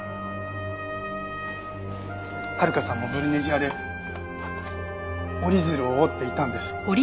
遥さんもブルネジアで折り鶴を折っていたんです。